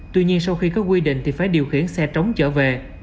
tuy nhiên sau khi có quy định thì phải điều khiển xe trống trở về